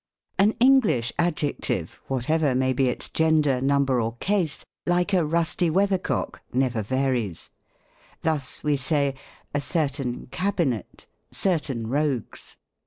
An English Adjective, whatever may be its gender, number, or case, like a rusty weathercock, never varies. Thus we say, "A certain cabinet; certain rogues."